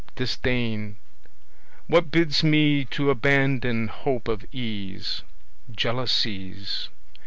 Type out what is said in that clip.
Disdain. What bids me to abandon hope of ease? Jealousies.